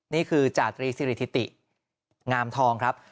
นี่คือจาตรีสิริธิติงามทองครับ